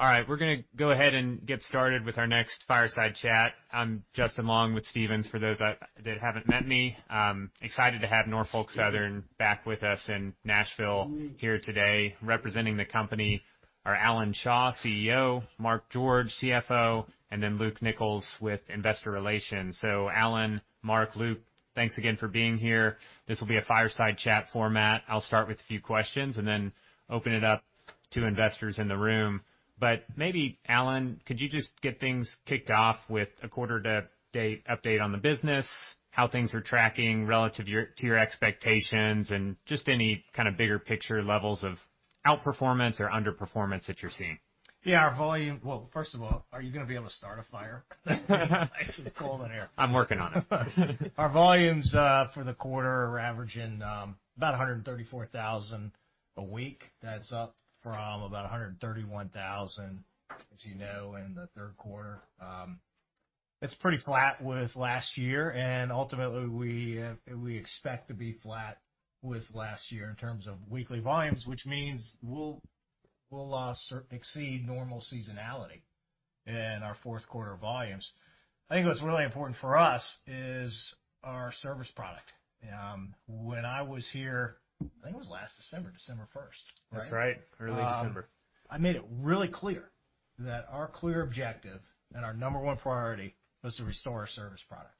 All right. We're going to go ahead and get started with our next fireside chat. I'm Justin Long with Stephens for those that haven't met me. Excited to have Norfolk Southern back with us in Nashville here today. Representing the company are Alan Shaw, CEO; Mark George, CFO; and then Luke Nichols with Investor Relations. Alan, Mark, Luke, thanks again for being here. This will be a fireside chat format. I'll start with a few questions and then open it up to investors in the room. Maybe, Alan, could you just get things kicked off with a quarter-to-date update on the business, how things are tracking relative to your expectations, and just any kind of bigger picture levels of outperformance or underperformance that you're seeing? Yeah, our volume—first of all, are you going to be able to start a fire? It's cold in here. I'm working on it. Our volumes for the quarter are averaging about 134,000 a week. That's up from about 131,000, as you know, in the third quarter. It's pretty flat with last year, and ultimately we expect to be flat with last year in terms of weekly volumes, which means we'll exceed normal seasonality in our fourth quarter volumes. I think what's really important for us is our service product. When I was here—I think it was last December, December 1, right? That's right. Early December. I made it really clear that our clear objective and our number one priority was to restore our service product.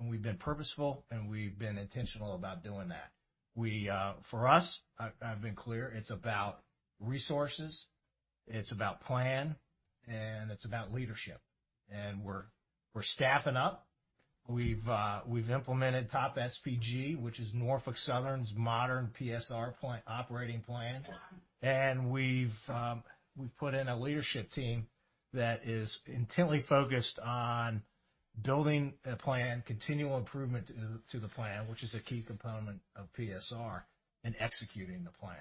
We have been purposeful, and we have been intentional about doing that. For us, I have been clear, it is about resources, it is about plan, and it is about leadership. We are staffing up. We have implemented TOP SBG, which is Norfolk Southern's modern PSR operating plan. We have put in a leadership team that is intently focused on building a plan, continual improvement to the plan, which is a key component of PSR, and executing the plan.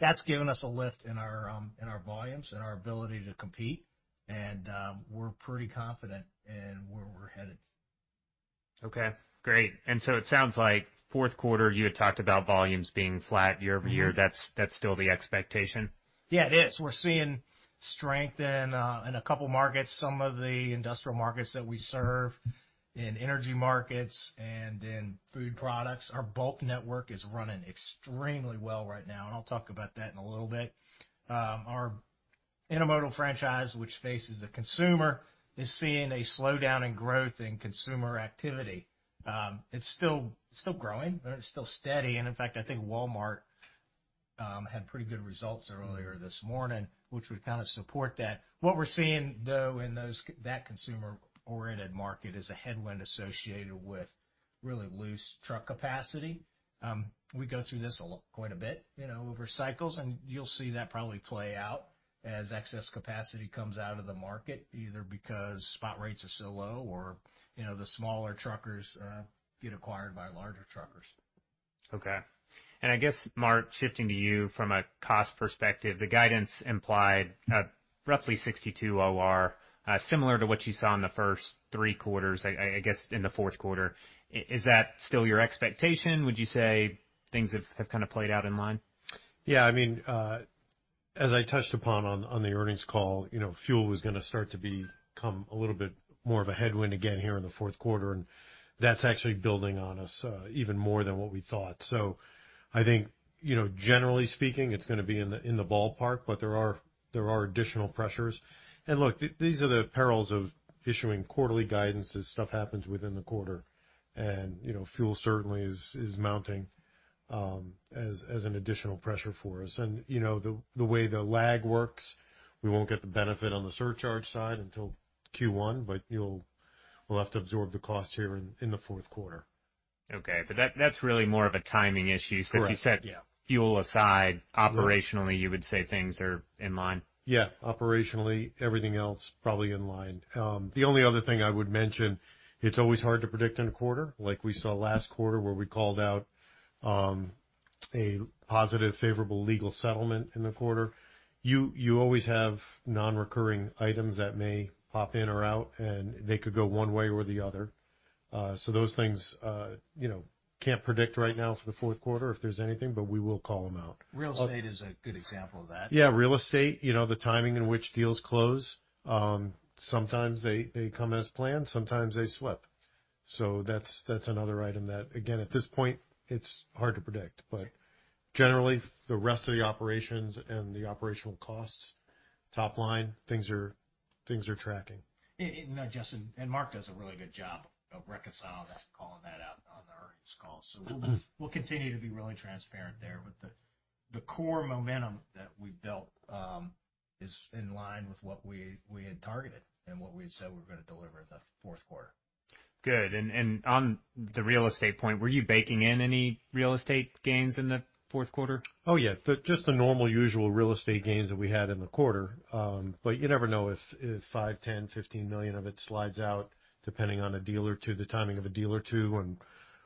That has given us a lift in our volumes and our ability to compete. We are pretty confident in where we are headed. Okay. Great. It sounds like fourth quarter you had talked about volumes being flat year over year. That's still the expectation? Yeah, it is. We're seeing strength in, in a couple markets. Some of the industrial markets that we serve, in energy markets, and in food products. Our bulk network is running extremely well right now, and I'll talk about that in a little bit. Our intermodal franchise, which faces the consumer, is seeing a slowdown in growth in consumer activity. It's still, it's still growing, or it's still steady. In fact, I think Walmart had pretty good results earlier this morning, which would kind of support that. What we're seeing, though, in those—that consumer-oriented market is a headwind associated with really loose truck capacity. We go through this quite a bit, you know, over cycles, and you'll see that probably play out as excess capacity comes out of the market, either because spot rates are so low or, you know, the smaller truckers get acquired by larger truckers. Okay. I guess, Mark, shifting to you from a cost perspective, the guidance implied a roughly 62% OR, similar to what you saw in the first three quarters, I guess, in the fourth quarter. Is that still your expectation? Would you say things have kind of played out in line? Yeah, I mean, as I touched upon on the earnings call, you know, fuel was going to start to become a little bit more of a headwind again here in the fourth quarter, and that's actually building on us, even more than what we thought. I think, you know, generally speaking, it's going to be in the ballpark, but there are additional pressures. Look, these are the perils of issuing quarterly guidance as stuff happens within the quarter. You know, fuel certainly is mounting as an additional pressure for us. You know, the way the lag works, we won't get the benefit on the surcharge side until Q1, but you'll, we'll have to absorb the cost here in the fourth quarter. Okay. That, that's really more of a timing issue. Correct. If you set fuel aside, operationally, you would say things are in line? Yeah. Operationally, everything else probably in line. The only other thing I would mention, it's always hard to predict in a quarter, like we saw last quarter where we called out a positive, favorable legal settlement in the quarter. You always have non-recurring items that may pop in or out, and they could go one way or the other. Those things, you know, can't predict right now for the fourth quarter if there's anything, but we will call them out. Real estate is a good example of that. Yeah, real estate, you know, the timing in which deals close, sometimes they come as planned, sometimes they slip. That is another item that, again, at this point, it is hard to predict. Generally, the rest of the operations and the operational costs, top line, things are tracking. You know, Justin and Mark does a really good job of reconciling that, calling that out on the earnings call. We will continue to be really transparent there with the core momentum that we built, is in line with what we had targeted and what we had said we were going to deliver in the fourth quarter. Good. On the real estate point, were you baking in any real estate gains in the fourth quarter? Oh yeah, just the normal, usual real estate gains that we had in the quarter. You never know if $5 million, $10 million, $15 million of it slides out, depending on a deal or two, the timing of a deal or two, and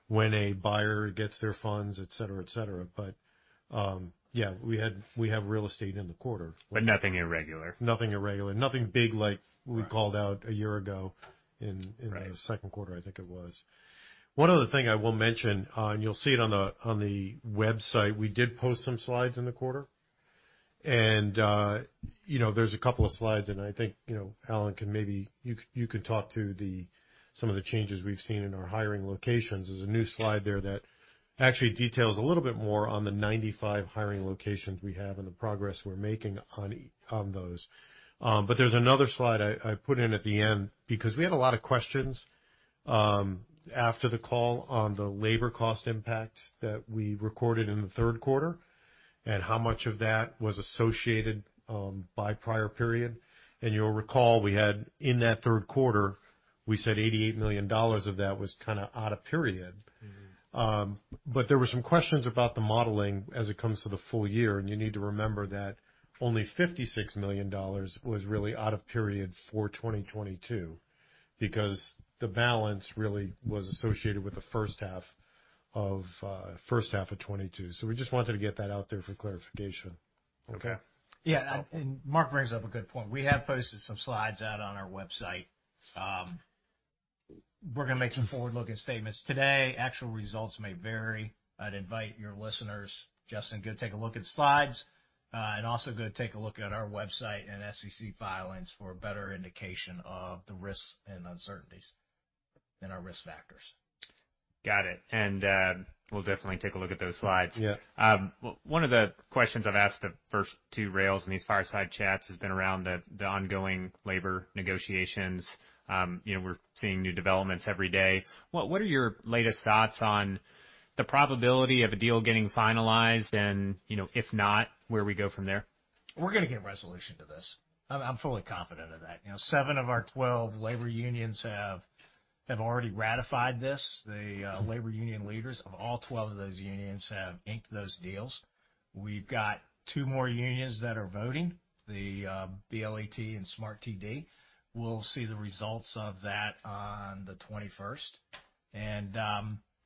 when a buyer gets their funds, etc., etc. Yeah, we had, we have real estate in the quarter. Nothing irregular? Nothing irregular. Nothing big like we called out a year ago in, in the second quarter, I think it was. One other thing I will mention, and you'll see it on the, on the website, we did post some slides in the quarter. And, you know, there's a couple of slides, and I think, you know, Alan can maybe you can, you can talk to the, some of the changes we've seen in our hiring locations. There's a new slide there that actually details a little bit more on the 95 hiring locations we have and the progress we're making on, on those. There is another slide I put in at the end because we had a lot of questions after the call on the labor cost impact that we recorded in the third quarter and how much of that was associated by prior period. You'll recall we had, in that third quarter, we said $88 million of that was kind of out of period. There were some questions about the modeling as it comes to the full year, and you need to remember that only $56 million was really out of period for 2022 because the balance really was associated with the first half of, first half of 2022. We just wanted to get that out there for clarification. Okay? Okay. Yeah. Mark brings up a good point. We have posted some slides out on our website. We're going to make some forward-looking statements today. Actual results may vary. I'd invite your listeners, Justin, to go take a look at the slides, and also go take a look at our website and SEC filings for a better indication of the risks and uncertainties and our risk factors. Got it. We'll definitely take a look at those slides. Yeah. One of the questions I've asked the first two rails in these fireside chats has been around the ongoing labor negotiations. You know, we're seeing new developments every day. What are your latest thoughts on the probability of a deal getting finalized and, you know, if not, where we go from there? We're going to get resolution to this. I'm fully confident of that. You know, seven of our 12 labor unions have already ratified this. The labor union leaders of all 12 of those unions have inked those deals. We've got two more unions that are voting, the BLET and SMART TD. We'll see the results of that on the 21st.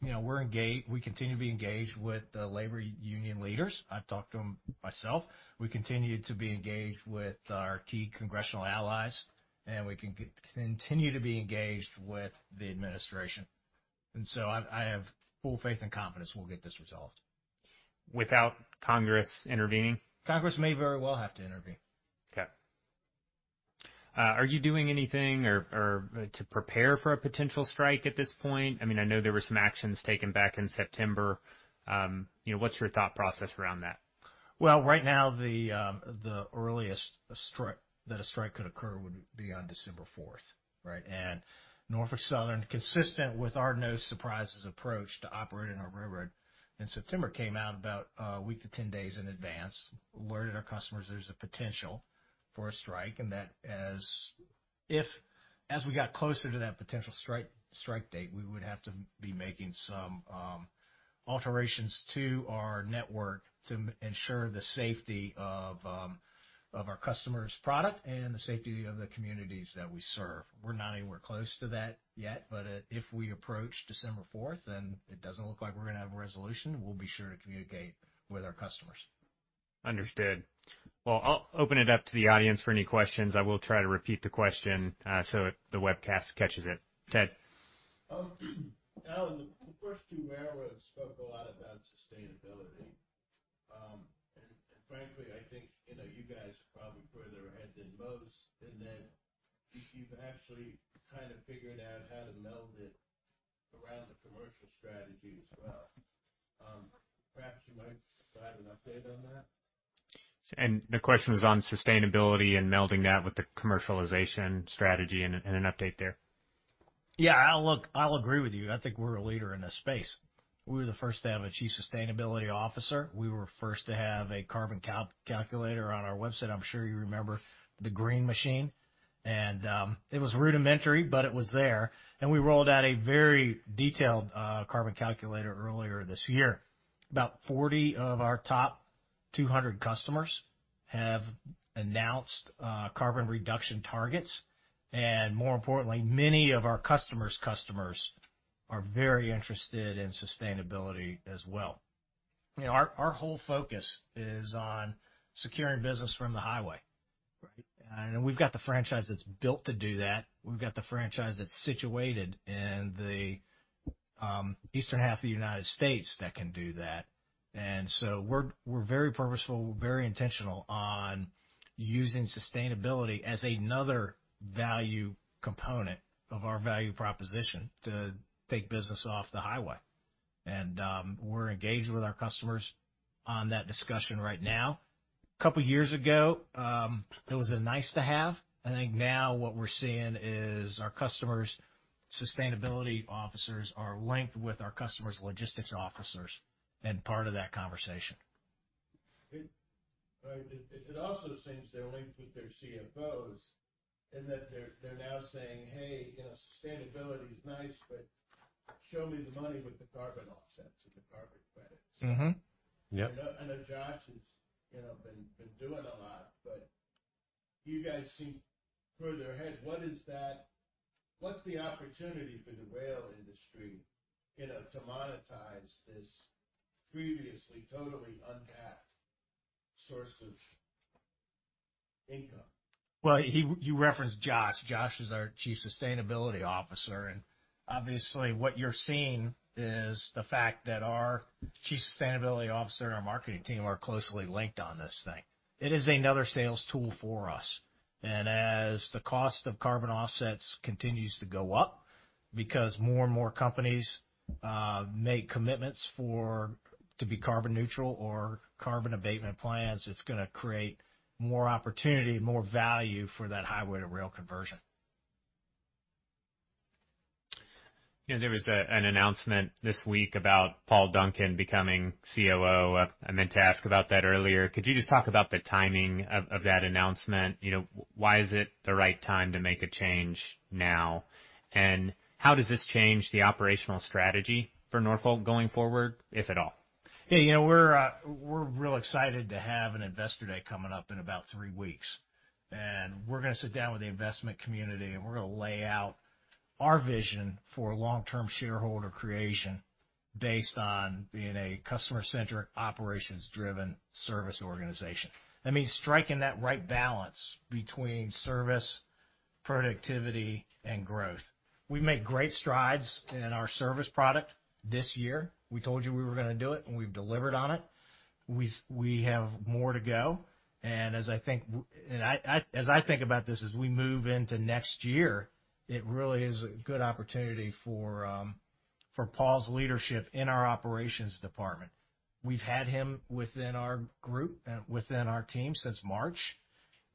You know, we're engaged; we continue to be engaged with the labor union leaders. I've talked to them myself. We continue to be engaged with our key congressional allies, and we continue to be engaged with the administration. I have full faith and confidence we'll get this resolved. Without Congress intervening? Congress may very well have to intervene. Okay. Are you doing anything to prepare for a potential strike at this point? I mean, I know there were some actions taken back in September. You know, what's your thought process around that? Right now, the earliest that a strike could occur would be on December 4th, right? Norfolk Southern, consistent with our no-surprises approach to operating our railroad in September, came out about a week to 10 days in advance, alerted our customers there's a potential for a strike and that as we got closer to that potential strike date, we would have to be making some alterations to our network to ensure the safety of our customers' product and the safety of the communities that we serve. We're not anywhere close to that yet, but if we approach December 4th, and it doesn't look like we're going to have a resolution, we'll be sure to communicate with our customers. Understood. I will open it up to the audience for any questions. I will try to repeat the question, so the webcast catches it. Ted? Alan, the first two railroads spoke a lot about sustainability, and, frankly, I think, you know, you guys are probably further ahead than most in that you've actually kind of figured out how to meld it around the commercial strategy as well. Perhaps you might provide an update on that? The question was on sustainability and melding that with the commercialization strategy and an update there. Yeah, I'll look, I'll agree with you. I think we're a leader in this space. We were the first to have a Chief Sustainability Officer. We were first to have a Carbon Calculator on our website. I'm sure you remember the green machine. It was rudimentary, but it was there. We rolled out a very detailed Carbon Calculator earlier this year. About 40 of our top 200 customers have announced carbon reduction targets. More importantly, many of our customers' customers are very interested in sustainability as well. You know, our whole focus is on securing business from the highway. We've got the franchise that's built to do that. We've got the franchise that's situated in the eastern half of the United States that can do that. We are very purposeful, very intentional on using sustainability as another value component of our value proposition to take business off the highway. We are engaged with our customers on that discussion right now. A couple of years ago, it was a nice to have. I think now what we are seeing is our customers' sustainability officers are linked with our customers' logistics officers and part of that conversation. It also seems they're linked with their CFOs in that they're now saying, "Hey, you know, sustainability is nice, but show me the money with the carbon offsets and the carbon credits. Mm-hmm. Yep. I know, I know Josh has, you know, been, been doing a lot, but you guys seem further ahead. What is that? What's the opportunity for the rail industry, you know, to monetize this previously totally untapped source of income? He, you referenced Josh. Josh is our Chief Sustainability Officer. Obviously, what you're seeing is the fact that our Chief Sustainability Officer and our marketing team are closely linked on this thing. It is another sales tool for us. As the cost of carbon offsets continues to go up, because more and more companies make commitments to be carbon neutral or carbon abatement plans, it's going to create more opportunity, more value for that highway to rail conversion. You know, there was an announcement this week about Paul Duncan becoming COO. I meant to ask about that earlier. Could you just talk about the timing of that announcement? You know, why is it the right time to make a change now? How does this change the operational strategy for Norfolk going forward, if at all? Yeah, you know, we're real excited to have an investor day coming up in about three weeks. We're going to sit down with the investment community, and we're going to lay out our vision for long-term shareholder creation based on being a customer-centric, operations-driven service organization. That means striking that right balance between service, productivity, and growth. We've made great strides in our service product this year. We told you we were going to do it, and we've delivered on it. We have more to go. As I think about this as we move into next year, it really is a good opportunity for Paul's leadership in our operations department. We've had him within our group and within our team since March.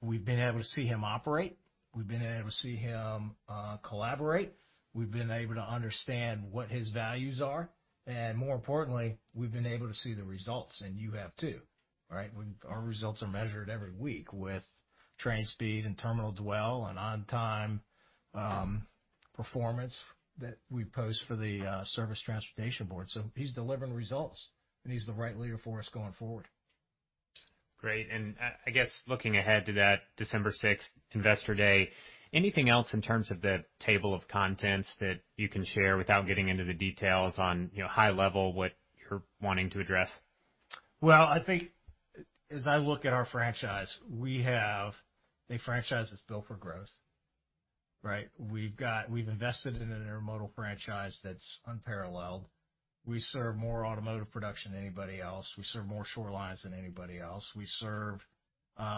We've been able to see him operate. We've been able to see him collaborate. We've been able to understand what his values are. More importantly, we've been able to see the results, and you have too, right? Our results are measured every week with train speed and terminal dwell and on-time performance that we post for the Service Transportation Board. He's delivering results, and he's the right leader for us going forward. Great. I guess looking ahead to that December 6th investor day, anything else in terms of the table of contents that you can share without getting into the details on, you know, high level what you're wanting to address? I think as I look at our franchise, we have a franchise that's built for growth, right? We've got, we've invested in an automotive franchise that's unparalleled. We serve more automotive production than anybody else. We serve more shorelines than anybody else. We serve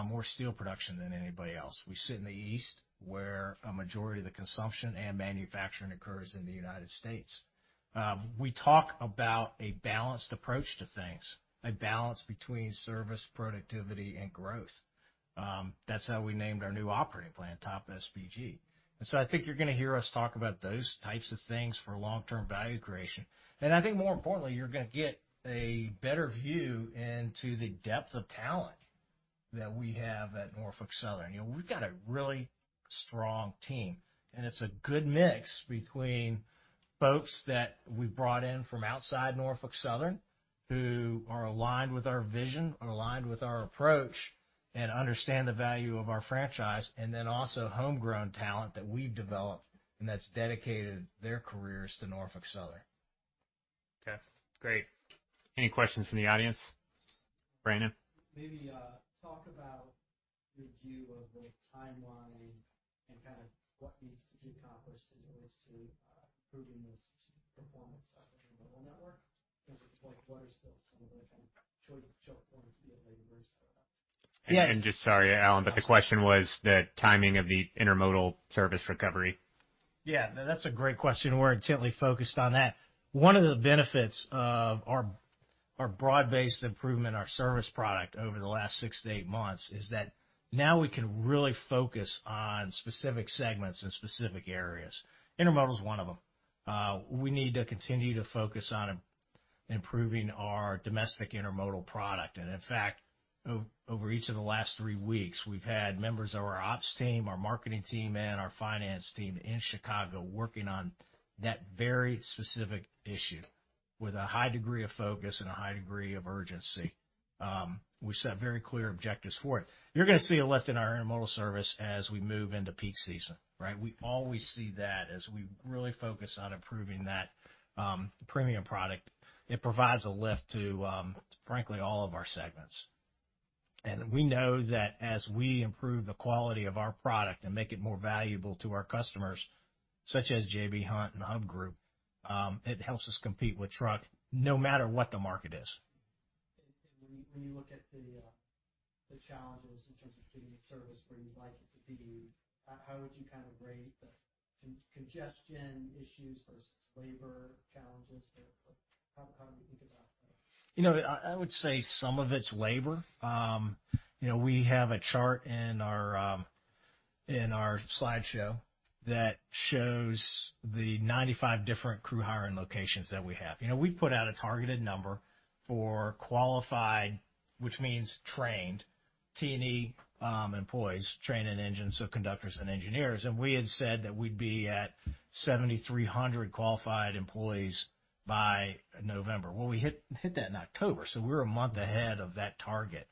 more steel production than anybody else. We sit in the east where a majority of the consumption and manufacturing occurs in the United States. We talk about a balanced approach to things, a balance between service, productivity, and growth. That's how we named our new operating plan, TOP SBG. I think you're going to hear us talk about those types of things for long-term value creation. I think more importantly, you're going to get a better view into the depth of talent that we have at Norfolk Southern. You know, we've got a really strong team, and it's a good mix between folks that we've brought in from outside Norfolk Southern who are aligned with our vision, aligned with our approach, and understand the value of our franchise, and then also homegrown talent that we've developed and that's dedicated their careers to Norfolk Southern. Okay. Great. Any questions from the audience? Brandon? Maybe, talk about your view of the timeline and kind of what needs to be accomplished in order to improve this performance of the intermodal network. Like, what are still some of the kind of joyful points to be able to get laborers out of that? Yeah. Sorry, Alan, but the question was the timing of the intermodal service recovery. Yeah, that's a great question. We're intently focused on that. One of the benefits of our broad-based improvement, our service product over the last six to eight months is that now we can really focus on specific segments and specific areas. Intermodal is one of them. We need to continue to focus on improving our domestic intermodal product. In fact, over each of the last three weeks, we've had members of our ops team, our marketing team, and our finance team in Chicago working on that very specific issue with a high degree of focus and a high degree of urgency. We set very clear objectives for it. You're going to see a lift in our intermodal service as we move into peak season, right? We always see that as we really focus on improving that premium product. It provides a lift to, frankly, all of our segments. We know that as we improve the quality of our product and make it more valuable to our customers, such as J.B. Hunt and HUB Group, it helps us compete with truck no matter what the market is. When you look at the challenges in terms of getting the service where you'd like it to be, how would you kind of rate the congestion issues versus labor challenges? How do we think about that? You know, I would say some of it's labor. You know, we have a chart in our slideshow that shows the 95 different crew hiring locations that we have. You know, we've put out a targeted number for qualified, which means trained T&E employees, trained in engines, so conductors and engineers. And we had said that we'd be at 7,300 qualified employees by November. We hit that in October. We were a month ahead of that target.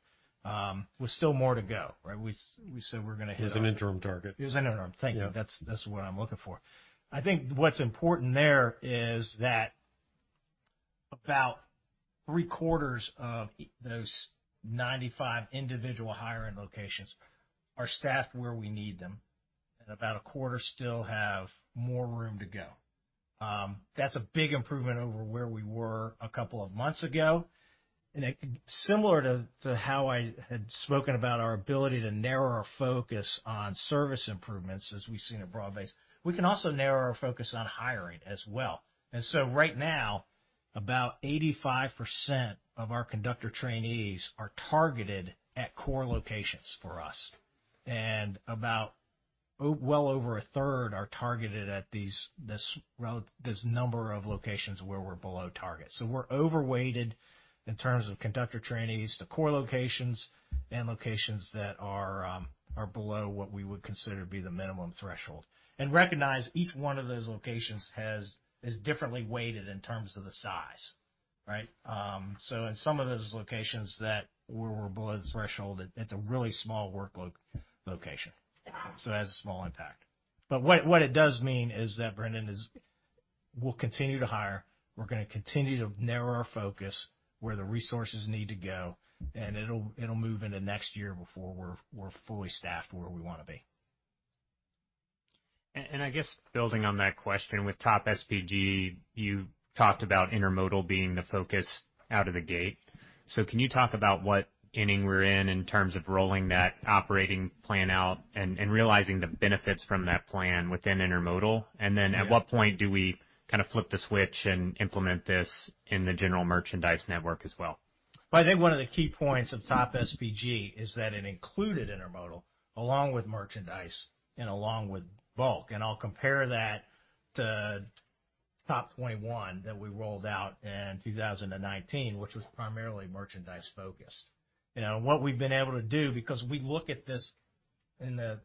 We're still more to go, right? We said we're going to hit that. It was an interim target. It was an interim. Thank you. That's, that's what I'm looking for. I think what's important there is that about three quarters of those 95 individual hiring locations are staffed where we need them, and about a quarter still have more room to go. That's a big improvement over where we were a couple of months ago. Similar to how I had spoken about our ability to narrow our focus on service improvements as we've seen it broad-based, we can also narrow our focus on hiring as well. Right now, about 85% of our conductor trainees are targeted at core locations for us. Well over a third are targeted at this number of locations where we're below target. We're overweighted in terms of conductor trainees to core locations and locations that are below what we would consider to be the minimum threshold. Recognize each one of those locations is differently weighted in terms of the size, right? In some of those locations that were below the threshold, it's a really small workload location. It has a small impact. What it does mean is that Brendan will continue to hire. We're going to continue to narrow our focus where the resources need to go. It'll move into next year before we're fully staffed where we want to be. I guess building on that question, with TOP SBG, you talked about intermodal being the focus out of the gate. Can you talk about what inning we're in in terms of rolling that operating plan out and realizing the benefits from that plan within intermodal? At what point do we kind of flip the switch and implement this in the general merchandise network as well? I think one of the key points of TOP SBG is that it included intermodal along with merchandise and along with bulk. I'll compare that to TOP 21 that we rolled out in 2019, which was primarily merchandise focused. You know, what we've been able to do, because we look at this in the,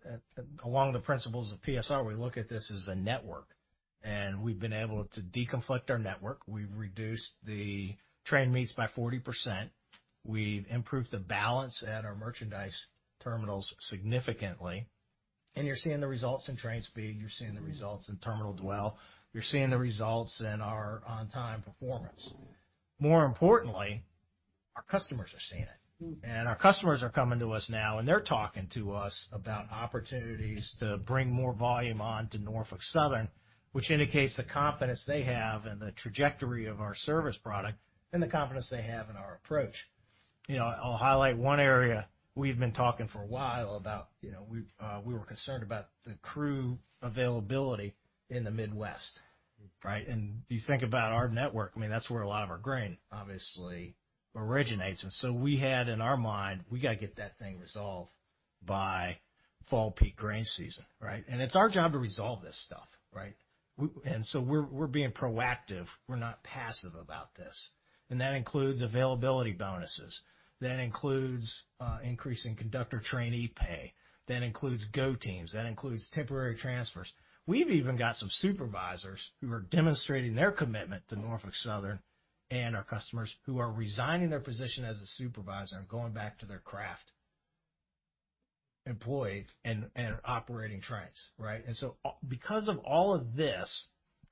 along the principles of PSR, we look at this as a network. We've been able to deconflict our network. We've reduced the train meets by 40%. We've improved the balance at our merchandise terminals significantly. You're seeing the results in train speed. You're seeing the results in terminal dwell. You're seeing the results in our on-time performance. More importantly, our customers are seeing it. Our customers are coming to us now, and they're talking to us about opportunities to bring more volume on to Norfolk Southern, which indicates the confidence they have in the trajectory of our service product and the confidence they have in our approach. You know, I'll highlight one area we've been talking for a while about, you know, we were concerned about the crew availability in the Midwest, right? If you think about our network, I mean, that's where a lot of our grain obviously originates. We had in our mind, we got to get that thing resolved by fall peak grain season, right? It's our job to resolve this stuff, right? We're being proactive. We're not passive about this. That includes availability bonuses. That includes increasing conductor trainee pay. That includes go teams. That includes temporary transfers. We've even got some supervisors who are demonstrating their commitment to Norfolk Southern and our customers who are resigning their position as a supervisor and going back to their craft employee and operating trains, right? Because of all of this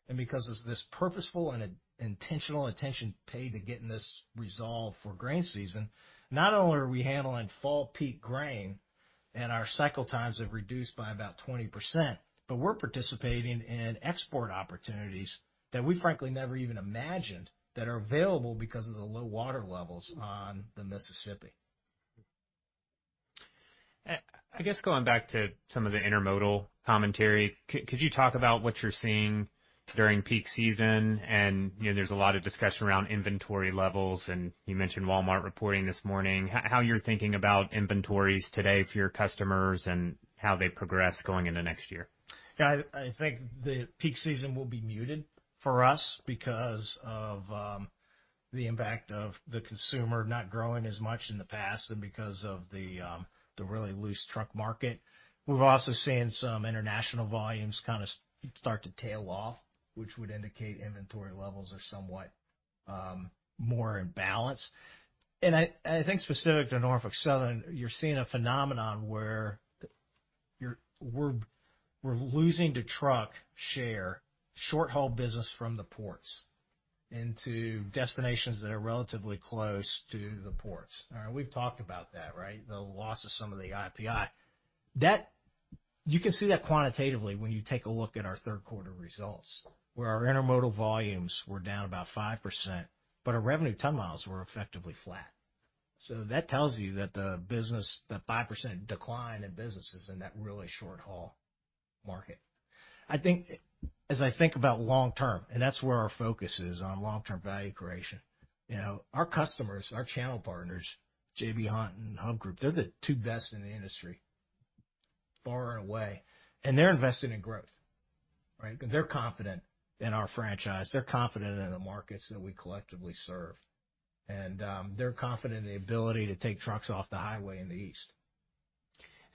and because of this purposeful and intentional attention paid to getting this resolved for grain season, not only are we handling fall peak grain and our cycle times have reduced by about 20%, but we're participating in export opportunities that we frankly never even imagined that are available because of the low water levels on the Mississippi. I guess going back to some of the intermodal commentary, could you talk about what you're seeing during peak season? You know, there's a lot of discussion around inventory levels, and you mentioned Walmart reporting this morning. How you're thinking about inventories today for your customers and how they progress going into next year? Yeah, I think the peak season will be muted for us because of the impact of the consumer not growing as much in the past and because of the really loose truck market. We've also seen some international volumes kind of start to tail off, which would indicate inventory levels are somewhat more in balance. I think specific to Norfolk Southern, you're seeing a phenomenon where we're losing to truck share short haul business from the ports into destinations that are relatively close to the ports. We've talked about that, right? The loss of some of the IPI. You can see that quantitatively when you take a look at our third quarter results where our intermodal volumes were down about 5%, but our revenue time miles were effectively flat. That tells you that the business, that 5% decline in business is in that really short haul market. I think as I think about long term, and that's where our focus is on long term value creation, you know, our customers, our channel partners, J.B. Hunt and HUB Group, they're the two best in the industry far and away. They're invested in growth, right? They're confident in our franchise. They're confident in the markets that we collectively serve. They're confident in the ability to take trucks off the highway in the east.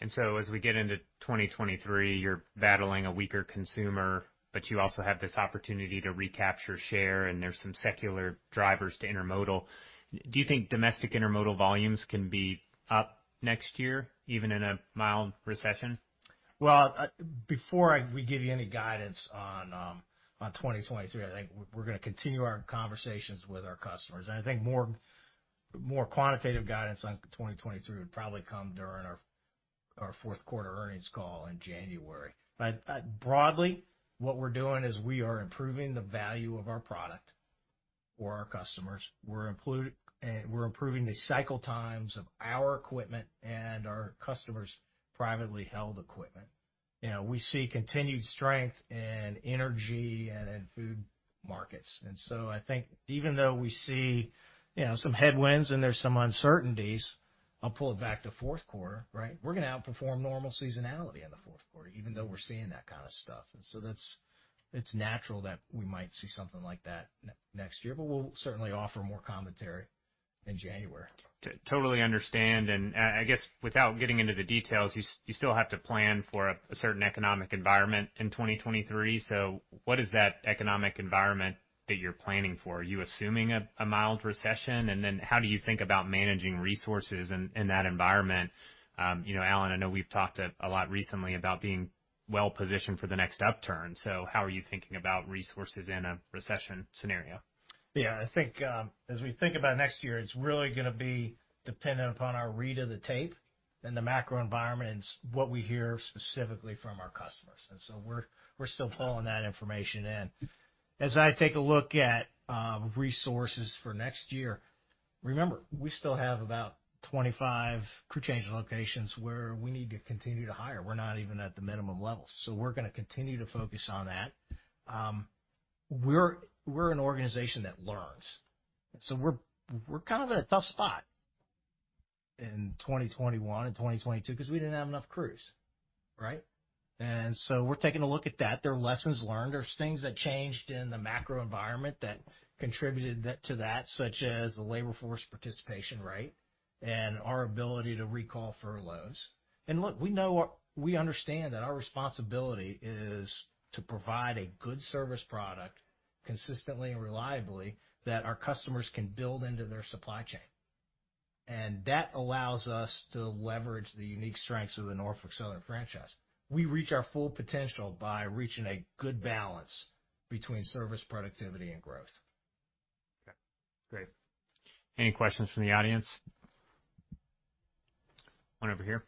As we get into 2023, you're battling a weaker consumer, but you also have this opportunity to recapture share, and there's some secular drivers to intermodal. Do you think domestic intermodal volumes can be up next year, even in a mild recession? Before we give you any guidance on 2023, I think we're going to continue our conversations with our customers. I think more quantitative guidance on 2023 would probably come during our fourth quarter earnings call in January. Broadly, what we're doing is we are improving the value of our product for our customers. We're improving, and we're improving the cycle times of our equipment and our customers' privately held equipment. You know, we see continued strength in energy and in food markets. I think even though we see, you know, some headwinds and there's some uncertainties, I'll pull it back to fourth quarter, right? We're going to outperform normal seasonality in the fourth quarter, even though we're seeing that kind of stuff. It is natural that we might see something like that next year, but we will certainly offer more commentary in January. Totally understand. I guess without getting into the details, you still have to plan for a certain economic environment in 2023. What is that economic environment that you're planning for? Are you assuming a mild recession? How do you think about managing resources in that environment? You know, Alan, I know we've talked a lot recently about being well positioned for the next upturn. How are you thinking about resources in a recession scenario? Yeah, I think, as we think about next year, it's really going to be dependent upon our read of the tape and the macro environment and what we hear specifically from our customers. We're still pulling that information in. As I take a look at resources for next year, remember, we still have about 25 crew change locations where we need to continue to hire. We're not even at the minimum level. We're going to continue to focus on that. We're an organization that learns. We were kind of in a tough spot in 2021 and 2022 because we didn't have enough crews, right? We're taking a look at that. There are lessons learned. There are things that changed in the macro environment that contributed to that, such as the labor force participation rate and our ability to recall furloughs. We know we understand that our responsibility is to provide a good service product consistently and reliably that our customers can build into their supply chain. That allows us to leverage the unique strengths of the Norfolk Southern franchise. We reach our full potential by reaching a good balance between service productivity and growth. Okay. Great. Any questions from the audience? One over here.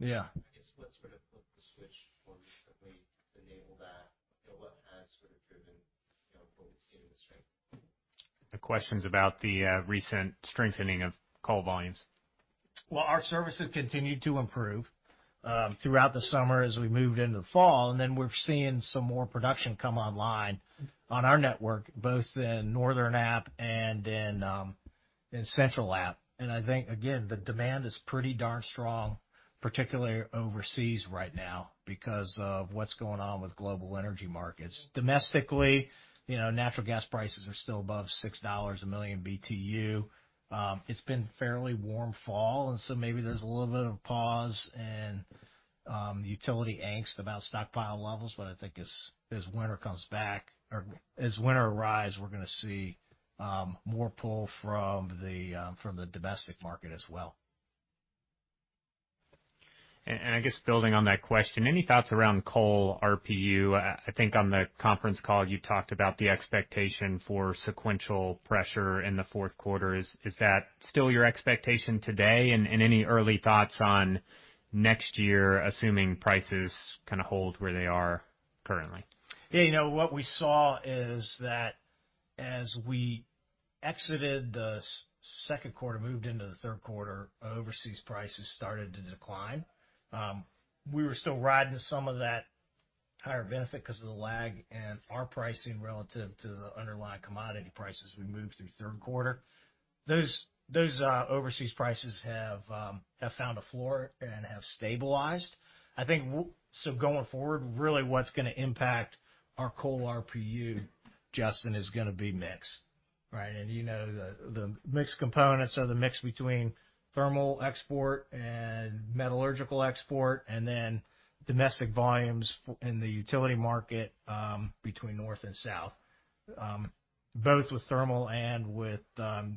Yeah. I guess what sort of put the switch more recently to enable that? What has sort of driven, you know, what we've seen in the strength? The question's about the recent strengthening of call volumes. Our services continued to improve throughout the summer as we moved into the fall. We're seeing some more production come online on our network, both in Northern app and in Central app. I think, again, the demand is pretty darn strong, particularly overseas right now because of what's going on with global energy markets. Domestically, you know, natural gas prices are still above $6 a million BTU. It's been a fairly warm fall, and so maybe there's a little bit of pause in utility angst about stockpile levels. I think as winter comes back or as winter arrives, we're going to see more pull from the domestic market as well. I guess building on that question, any thoughts around coal RPU? I think on the conference call, you talked about the expectation for sequential pressure in the fourth quarter. Is that still your expectation today? Any early thoughts on next year, assuming prices kind of hold where they are currently? Yeah, you know, what we saw is that as we exited the second quarter, moved into the third quarter, overseas prices started to decline. We were still riding some of that higher benefit because of the lag in our pricing relative to the underlying commodity prices. We moved through third quarter. Those overseas prices have found a floor and have stabilized. I think going forward, really what's going to impact our coal RPU, Justin, is going to be mix, right? You know, the mixed components are the mix between thermal export and metallurgical export and then domestic volumes in the utility market, between North and South, both with thermal and with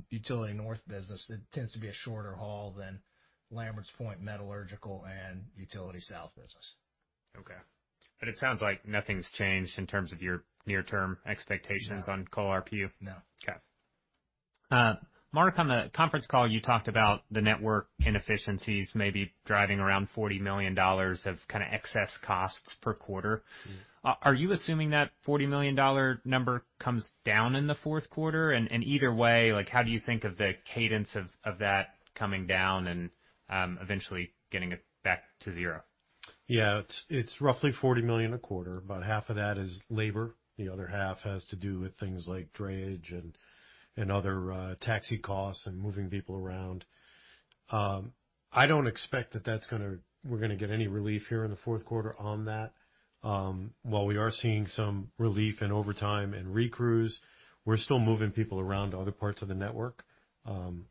utility North business. It tends to be a shorter haul than Lamberts Point metallurgical and utility South business. Okay. It sounds like nothing's changed in terms of your near-term expectations on coal RPU? No. Okay. Mark, on the conference call, you talked about the network inefficiencies maybe driving around $40 million of kind of excess costs per quarter. Are you assuming that $40 million number comes down in the fourth quarter? Either way, like, how do you think of the cadence of that coming down and, eventually, getting it back to zero? Yeah, it's, it's roughly $40 million a quarter. About half of that is labor. The other half has to do with things like drayage and, and other taxi costs and moving people around. I don't expect that that's going to, we're going to get any relief here in the fourth quarter on that. While we are seeing some relief in overtime and recrews, we're still moving people around to other parts of the network,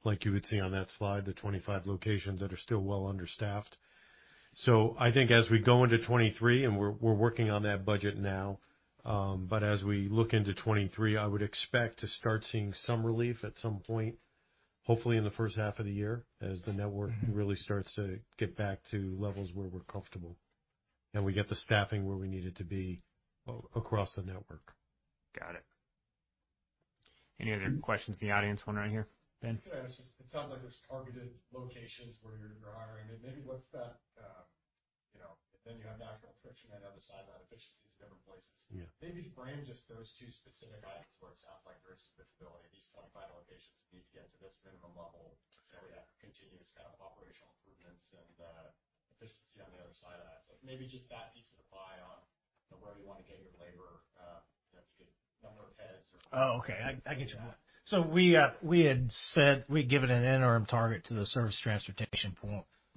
like you would see on that slide, the 25 locations that are still well understaffed. I think as we go into 2023, and we're working on that budget now, but as we look into 2023, I would expect to start seeing some relief at some point, hopefully in the first half of the year as the network really starts to get back to levels where we're comfortable and we get the staffing where we need it to be across the network. Got it. Any other questions in the audience? One right here, Ben? Yeah, it sounds like there's targeted locations where you're hiring. And maybe what's that, you know, then you have natural attrition on the other side of that, efficiencies in different places. Yeah. Maybe frame just those two specific items where it sounds like there is some visibility. These 25 locations need to get to this minimum level so we have continuous kind of operational improvements and efficiency on the other side of that. Maybe just that piece of the pie on where you want to get your labor, you know, if you could number of heads. Oh, okay. I get you. We had said we'd given an interim target to the Surface Transportation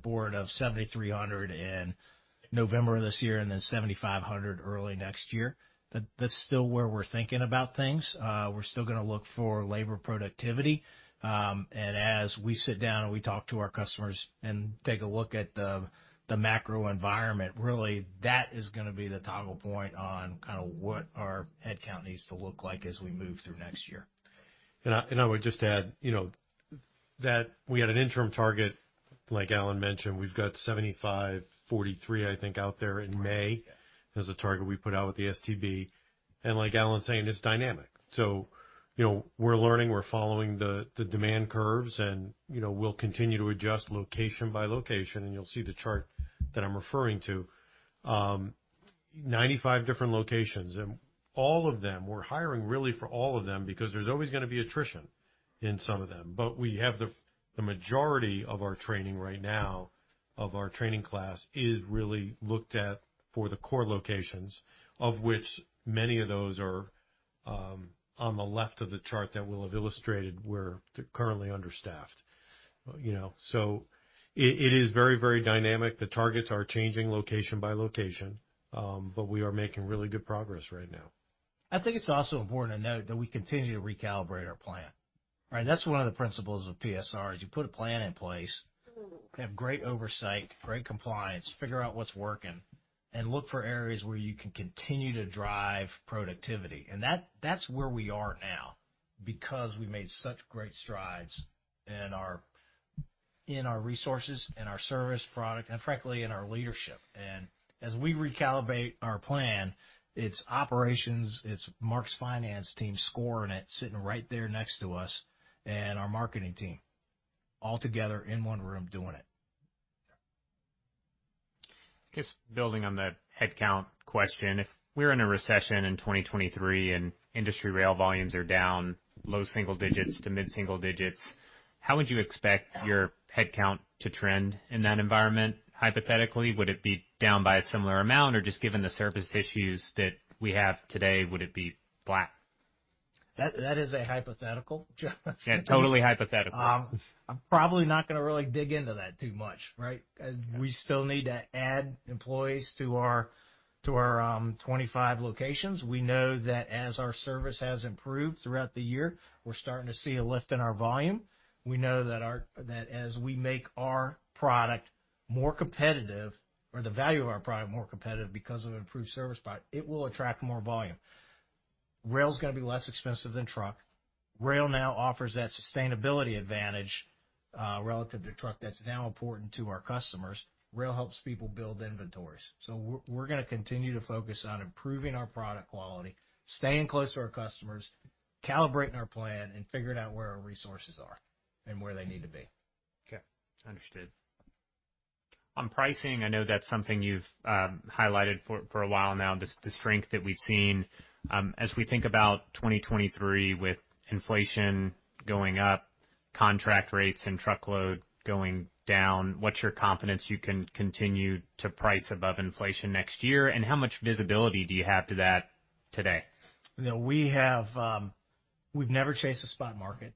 Board of 7,300 in November of this year and then 7,500 early next year. That's still where we're thinking about things. We're still going to look for labor productivity. As we sit down and we talk to our customers and take a look at the macro environment, really that is going to be the toggle point on kind of what our headcount needs to look like as we move through next year. I would just add, you know, that we had an interim target, like Alan mentioned, we've got 7,543, I think, out there in May as a target we put out with the STB. Like Alan's saying, it's dynamic. You know, we're learning, we're following the demand curves, and, you know, we'll continue to adjust location by location, and you'll see the chart that I'm referring to. Ninety-five different locations, and all of them, we're hiring really for all of them because there's always going to be attrition in some of them. We have the majority of our training right now, of our training class, really looked at for the core locations, of which many of those are on the left of the chart that we'll have illustrated where they're currently understaffed, you know. It is very, very dynamic. The targets are changing location by location, but we are making really good progress right now. I think it's also important to note that we continue to recalibrate our plan, right? That's one of the principles of PSR. You put a plan in place, have great oversight, great compliance, figure out what's working, and look for areas where you can continue to drive productivity. That, that's where we are now because we made such great strides in our resources, in our service product, and frankly, in our leadership. As we recalibrate our plan, it's operations, it's Mark's finance team scoring it, sitting right there next to us, and our marketing team all together in one room doing it. I guess building on that headcount question, if we're in a recession in 2023 and industry rail volumes are down low single digits to mid single digits, how would you expect your headcount to trend in that environment? Hypothetically, would it be down by a similar amount? Or just given the service issues that we have today, would it be flat? That is a hypothetical, Justin. Yeah, totally hypothetical. I'm probably not going to really dig into that too much, right? We still need to add employees to our, to our, 25 locations. We know that as our service has improved throughout the year, we're starting to see a lift in our volume. We know that our, that as we make our product more competitive or the value of our product more competitive because of improved service product, it will attract more volume. Rail's going to be less expensive than truck. Rail now offers that sustainability advantage, relative to truck. That's now important to our customers. Rail helps people build inventories. We are going to continue to focus on improving our product quality, staying close to our customers, calibrating our plan, and figuring out where our resources are and where they need to be. Okay. Understood. On pricing, I know that's something you've highlighted for a while now, the strength that we've seen. As we think about 2023 with inflation going up, contract rates and truckload going down, what's your confidence you can continue to price above inflation next year? How much visibility do you have to that today? You know, we have, we've never chased a spot market,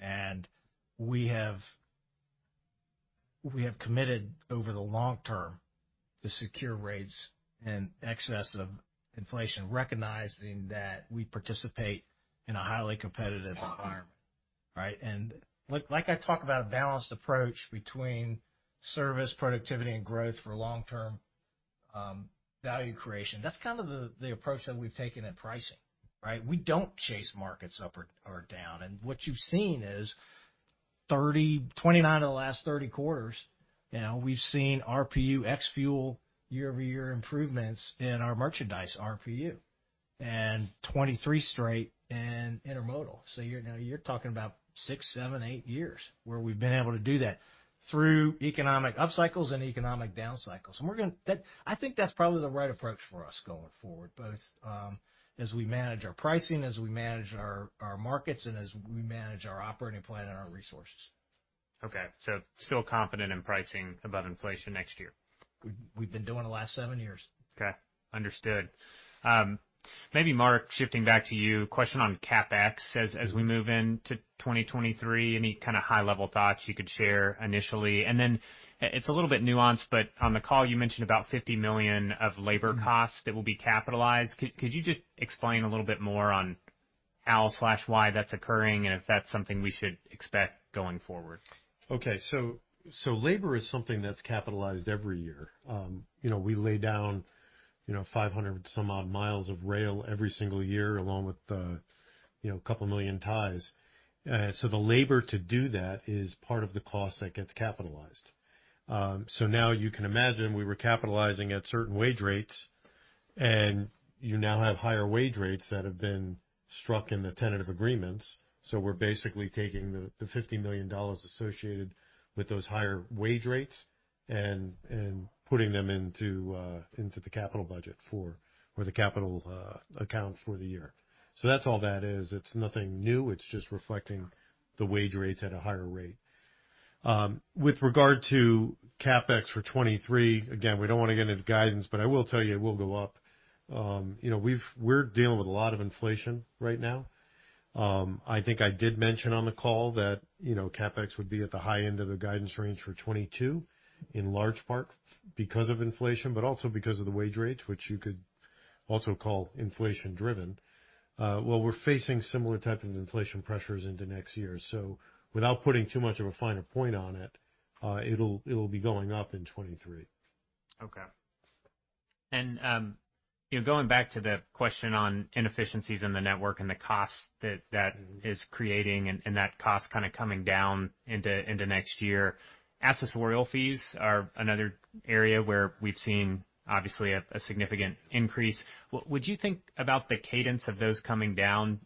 and we have, we have committed over the long term to secure rates in excess of inflation, recognizing that we participate in a highly competitive environment, right? Like I talk about a balanced approach between service, productivity, and growth for long-term value creation. That's kind of the approach that we've taken at pricing, right? We don't chase markets up or down. What you've seen is 29 of the last 30 quarters, you know, we've seen RPU X fuel year over year improvements in our merchandise RPU and 23 straight in intermodal. You're now, you're talking about six, seven, eight years where we've been able to do that through economic upcycles and economic downcycles. We're going to, I think that's probably the right approach for us going forward, both as we manage our pricing, as we manage our markets, and as we manage our operating plan and our resources. Okay. Still confident in pricing above inflation next year? We've been doing it the last seven years. Okay. Understood. Maybe Mark, shifting back to you, question on CapEx as we move into 2023, any kind of high-level thoughts you could share initially? Then it's a little bit nuanced, but on the call, you mentioned about $50 million of labor costs that will be capitalized. Could you just explain a little bit more on how slash why that's occurring and if that's something we should expect going forward? Okay. Labor is something that's capitalized every year. You know, we lay down, you know, 500 some odd miles of rail every single year along with the, you know, a couple million ties. The labor to do that is part of the cost that gets capitalized. Now you can imagine we were capitalizing at certain wage rates, and you now have higher wage rates that have been struck in the tentative agreements. We're basically taking the $50 million associated with those higher wage rates and putting them into the capital budget for, or the capital account for the year. That's all that is. It's nothing new. It's just reflecting the wage rates at a higher rate. With regard to CapEx for 2023, again, we don't want to get into guidance, but I will tell you it will go up. You know, we've, we're dealing with a lot of inflation right now. I think I did mention on the call that, you know, CapEx would be at the high end of the guidance range for 2022 in large part because of inflation, but also because of the wage rates, which you could also call inflation-driven. We're facing similar type of inflation pressures into next year. Without putting too much of a finer point on it, it'll be going up in 2023. Okay. You know, going back to the question on inefficiencies in the network and the cost that is creating and that cost kind of coming down into next year, accessorial fees are another area where we've seen obviously a significant increase. What would you think about the cadence of those coming down?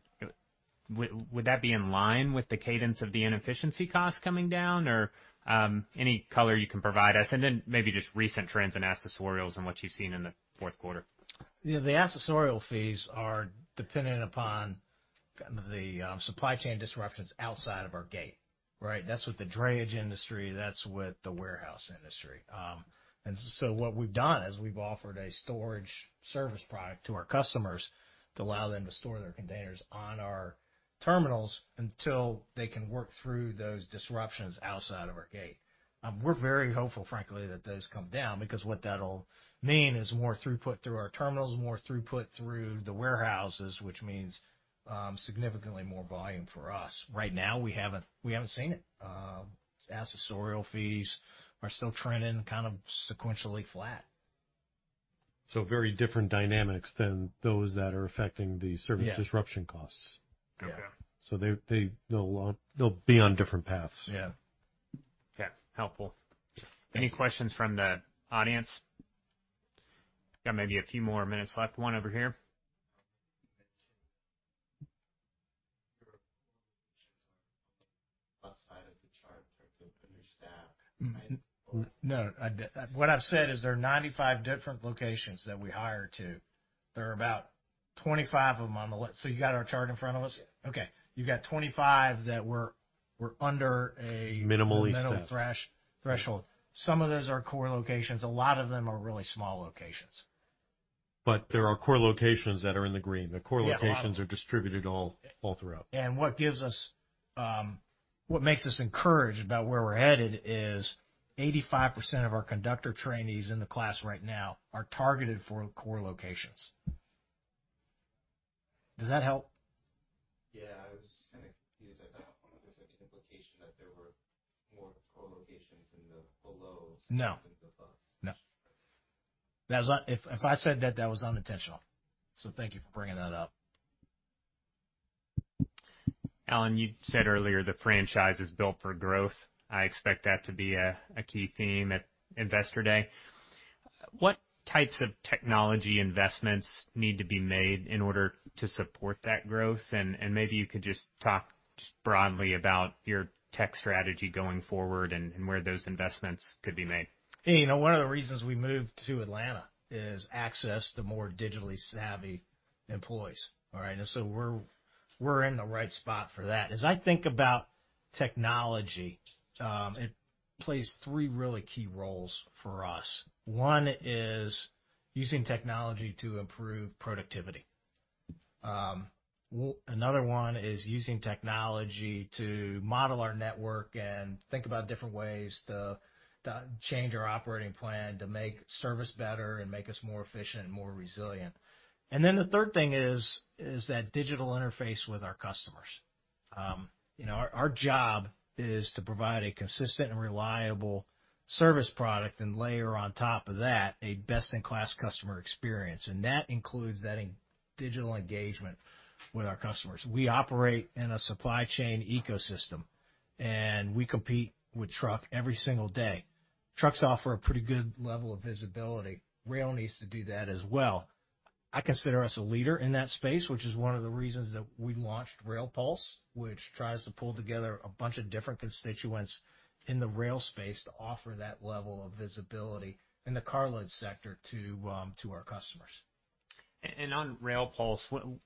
Would that be in line with the cadence of the inefficiency costs coming down, or any color you can provide us? Maybe just recent trends in accessorials and what you've seen in the fourth quarter. You know, the accessorial fees are dependent upon kind of the supply chain disruptions outside of our gate, right? That's with the drayage industry. That's with the warehouse industry. What we've done is we've offered a storage service product to our customers to allow them to store their containers on our terminals until they can work through those disruptions outside of our gate. We're very hopeful, frankly, that those come down because what that'll mean is more throughput through our terminals, more throughput through the warehouses, which means significantly more volume for us. Right now, we haven't, we haven't seen it. Accessorial fees are still trending kind of sequentially flat. Very different dynamics than those that are affecting the service disruption costs. Yeah. Okay. They'll be on different paths. Yeah. Okay. Helpful. Any questions from the audience? Got maybe a few more minutes left. One over here. You mentioned your corporate locations are on the left side of the chart for understaffed, right? No, what I've said is there are 95 different locations that we hire to. There are about 25 of them on the left. So you got our chart in front of us? Yeah. Okay. You got 25 that were under a. Minimally staffed. Minimal threshold. Some of those are core locations. A lot of them are really small locations. There are core locations that are in the green. The core locations are distributed all, all throughout. What makes us encouraged about where we're headed is 85% of our conductor trainees in the class right now are targeted for core locations. Does that help? Yeah. I was kind of confused about the implication that there were more core locations in the below. No. Than the above. No. That was, if I said that, that was unintentional. Thank you for bringing that up. Alan, you said earlier the franchise is built for growth. I expect that to be a key theme at Investor Day. What types of technology investments need to be made in order to support that growth? Maybe you could just talk broadly about your tech strategy going forward and where those investments could be made. You know, one of the reasons we moved to Atlanta is access to more digitally savvy employees, all right? We're in the right spot for that. As I think about technology, it plays three really key roles for us. One is using technology to improve productivity. Another one is using technology to model our network and think about different ways to change our operating plan to make service better and make us more efficient and more resilient. The third thing is that digital interface with our customers. You know, our job is to provide a consistent and reliable service product and layer on top of that a best-in-class customer experience. That includes that digital engagement with our customers. We operate in a supply chain ecosystem, and we compete with truck every single day. Trucks offer a pretty good level of visibility. Rail needs to do that as well. I consider us a leader in that space, which is one of the reasons that we launched RailPulse, which tries to pull together a bunch of different constituents in the rail space to offer that level of visibility in the carload sector to our customers. On RailPulse,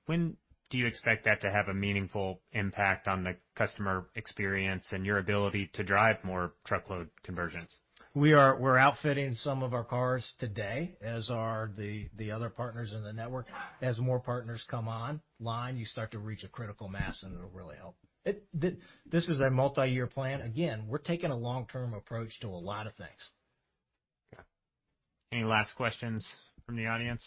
when do you expect that to have a meaningful impact on the customer experience and your ability to drive more truckload conversions? We are, we're outfitting some of our cars today, as are the other partners in the network. As more partners come online, you start to reach a critical mass, and it'll really help. This is a multi-year plan. Again, we're taking a long-term approach to a lot of things. Okay. Any last questions from the audience?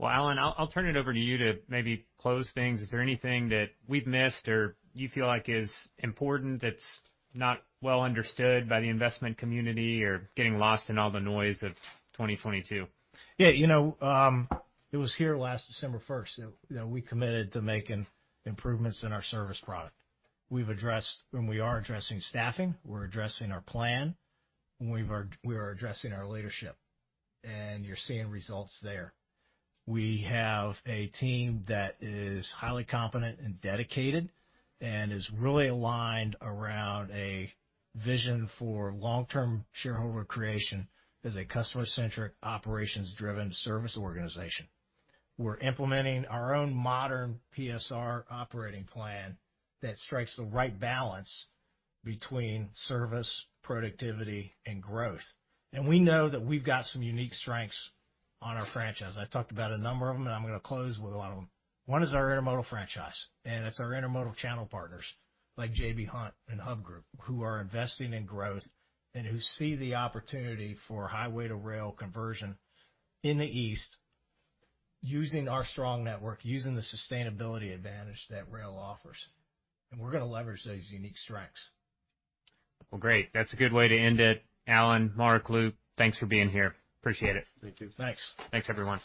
Alan, I'll turn it over to you to maybe close things. Is there anything that we've missed or you feel like is important that's not well understood by the investment community or getting lost in all the noise of 2022? Yeah. You know, it was here last December 1 that we committed to making improvements in our service product. We've addressed, and we are addressing staffing. We're addressing our plan. We are addressing our leadership, and you're seeing results there. We have a team that is highly competent and dedicated and is really aligned around a vision for long-term shareholder creation as a customer-centric, operations-driven service organization. We're implementing our own modern PSR operating plan that strikes the right balance between service, productivity, and growth. We know that we've got some unique strengths on our franchise. I talked about a number of them, and I'm going to close with one of them. One is our intermodal franchise, and it's our intermodal channel partners like J.B. Hunt and HUB Group who are investing in growth and who see the opportunity for highway-to-rail conversion in the east using our strong network, using the sustainability advantage that rail offers. We are going to leverage those unique strengths. That's a good way to end it. Alan, Mark, Luke, thanks for being here. Appreciate it. Thank you. Thanks. Thanks, everyone.